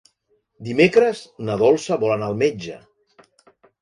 Dimecres na Dolça vol anar al metge.